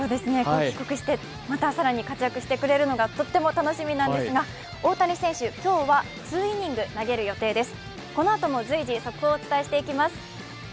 帰国してまたさらに活躍してくれるのがとっても楽しみなんですが大谷選手、今日は２イニング投げる予定です。